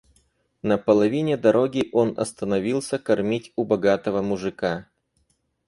На половине дороги он остановился кормить у богатого мужика.